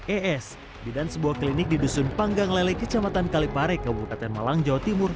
es bidan sebuah klinik di dusun panggang lele kecamatan kalipare kabupaten malang jawa timur